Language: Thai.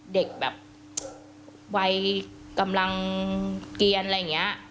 เด็กแบบวัยกำลังเกียรอะไรอย่างนี้